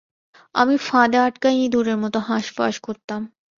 আমি ফাঁদে আটকা ইঁদুরের মতো হাঁসফাঁস করতাম।